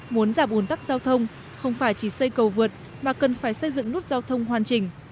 muốn giảm ồn tắc giao thông không phải chỉ xây cầu vượt mà cần phải xây dựng nút giao thông hoàn chỉnh